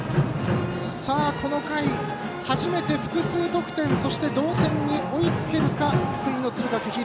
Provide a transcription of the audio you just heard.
この回、初めて複数得点そして同点に追いつけるか福井、敦賀気比。